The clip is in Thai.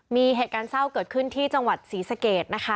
มีเหตุการณ์เศร้าเกิดขึ้นที่จังหวัดศรีสะเกดนะคะ